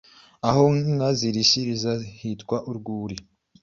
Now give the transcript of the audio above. Aho inka zirishiriza hitwa Urwuri